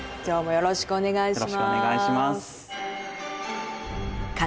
よろしくお願いします。